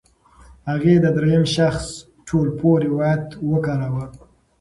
هغې د درېیم شخص ټولپوه روایت وکاراوه.